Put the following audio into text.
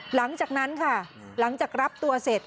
หลังจากนั้นค่ะหลังจากรับตัวเสร็จ